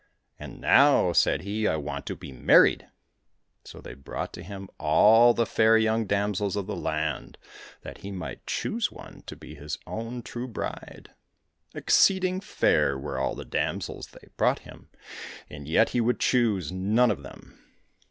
" And now," said he, " I want to be married !" So they brought to him all the fair young damsels of the land that he might choose one to be his own true bride. Exceeding fair were all the damsels they brought him, and yet he would choose none of them.